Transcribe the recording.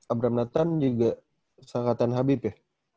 abraham nathan juga sangkatan habib ya